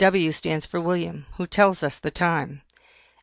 W stands for WILLIAM, who tells us the time.